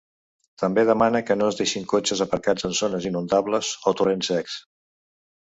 També demana que no es deixin cotxes aparcats en zones inundables o torrents secs.